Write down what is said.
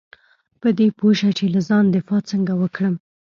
په دې پوه شه چې له ځان دفاع څنګه وکړم .